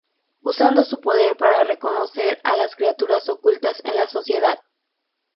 Usando su poder para "reconocer" a las criaturas ocultas en la sociedad.